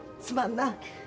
すまんな。